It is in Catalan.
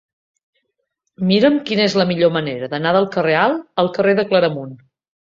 Mira'm quina és la millor manera d'anar del carrer Alt al carrer de Claramunt.